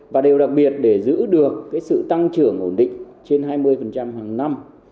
và đều đặc biệt để giữ được sự tăng trưởng ổn định trên hai mươi hàng năm